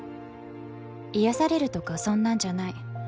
癒やされるとかそんなんじゃない。